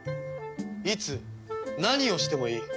いつ何をしてもいい。